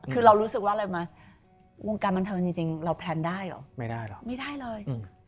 คือเรารู้สึกว่าวงการมันทำงานจริงเราแพลนได้เหรอไม่ได้เลย